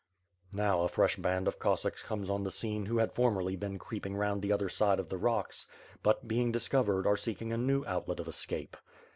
Now, a fresh band of Cossacks comes on the scene who had formerly been creeping round the other side of the rocks, but, being discovered, are seeking a new outlet of escape.